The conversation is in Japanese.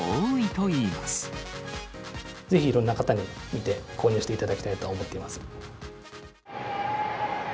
ぜひいろんな方に見て、購入していただきたいと思っています。